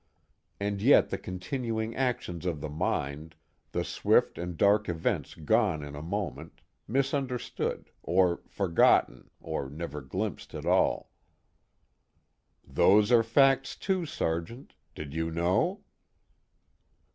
And yet the continuing actions of the mind, the swift and dark events gone in a moment, misunderstood or "forgotten" or never glimpsed at all: _Those are facts too, Sergeant: did you know?